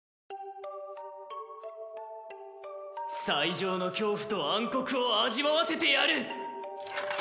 最上の恐怖と暗黒を味わわせてやる！